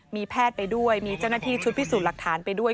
มีแพทย์ไปด้วยมีเจ้าหน้าที่ชุดพิสูจน์หลักฐานไปด้วย